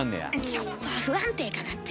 ちょっと不安定かなって。